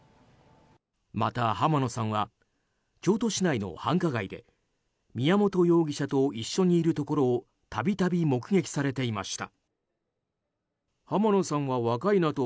また、浜野さんは京都市内の繁華街で宮本容疑者と一緒にいるところを度々、目撃されていました。